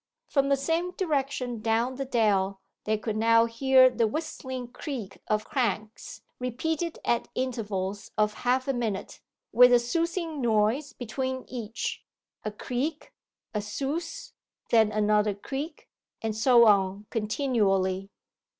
From the same direction down the dell they could now hear the whistling creak of cranks, repeated at intervals of half a minute, with a sousing noise between each: a creak, a souse, then another creak, and so on continually.